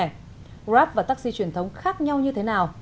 grab và taxi truyền thống khác nhau như thế nào